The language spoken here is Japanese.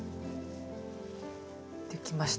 できました。